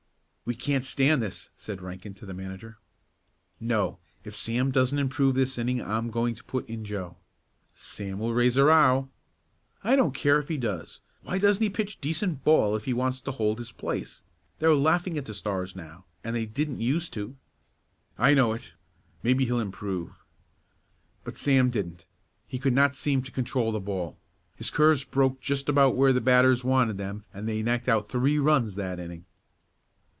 "We can't stand this," said Rankin to the manager. "No, if Sam doesn't improve this inning I'm going to put in Joe." "Sam will raise a row." "I don't care if he does. Why doesn't he pitch decent ball if he wants to hold his place? They're laughing at the Stars now, and they didn't used to." "I know it. Well, maybe he'll improve." But Sam didn't. He could not seem to control the ball, his curves broke just about where the batters wanted them and they knocked out three runs that inning.